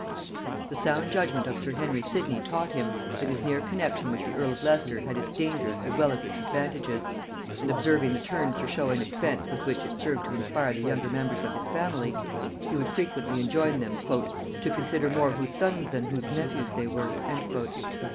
The sound judgement of sir Henry Sidney taught him, that his near connexion with the earl of Leicester had its dangers as well as its advantages; and observing the turn for show and expense with which it served to inspire the younger members of his family, he would frequently enjoin them "to consider more whose sons than whose nephews they were."